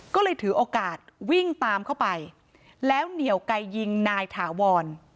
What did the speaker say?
ก็เลยถือโอกาสวิ่งตามเข้าไปแล้วเหนียวไกลยิงนายถาวร